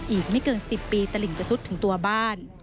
อีกไม่เกิน๑๐ปีตลิ่งจะซุดถึงตัวบ้าน